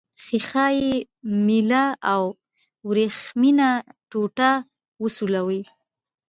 ښيښه یي میله او وریښمینه ټوټه وسولوئ.